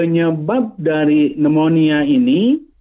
nyebab dari pneumonia ini